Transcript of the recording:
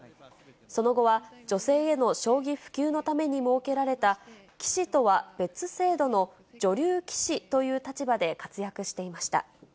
その後は女性への将棋普及のために設けられた、棋士とは別制度の女流棋士という立場で活躍していました。